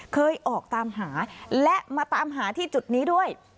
เคยออกตามหาและมาตามหาที่จุดนี้ด้วย